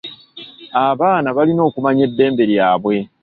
Abaana balina okumanya eddembe lyabwe.